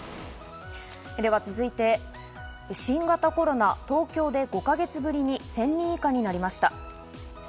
続いて、新型コロナ、東京で５か月ぶりに１０００人以下になりました。